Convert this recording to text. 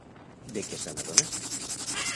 De què s'han d'adonat?